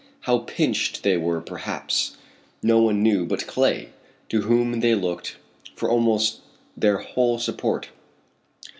How pinched they were perhaps no one knew but Clay, to whom they looked for almost their whole support.